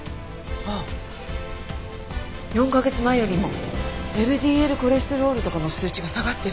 あっ４カ月前よりもＬＤＬコレステロールとかの数値が下がってる。